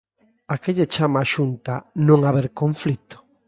A que lle chama a Xunta non haber conflito?